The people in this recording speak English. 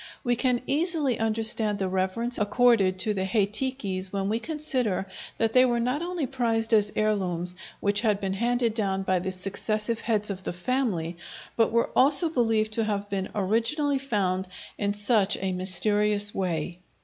We can easily understand the reverence accorded to the hei tikis when we consider that they were not only prized as heirlooms, which had been handed down by the successive heads of the family, but were also believed to have been originally found in such a mysterious way.